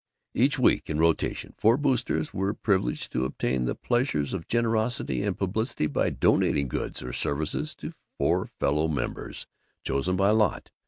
Each week, in rotation, four Boosters were privileged to obtain the pleasures of generosity and of publicity by donating goods or services to four fellow members, chosen by lot.